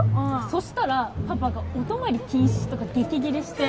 そしたらパパがお泊り禁止とか激ギレして